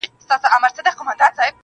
شرجلال مي ته، په خپل جمال کي کړې بدل.